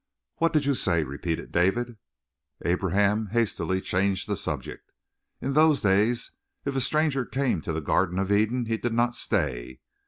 "What did you say?" repeated David. Abraham hastily changed the subject. "In those days if a stranger came to the Garden of Eden he did not stay.